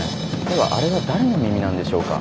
ではあれは誰の耳なんでしょうか？